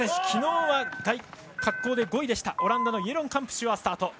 昨日は滑降で５位でしたオランダのイェロン・カンプシュアー。